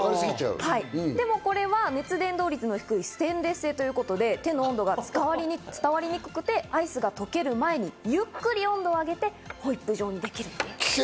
でもこれは熱伝導率の低いステンレス製ということで、手の温度が伝わりにくくて、アイスが溶ける前にゆっくり温度を上げてホイップ状にできると。